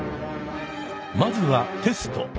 まずはテスト！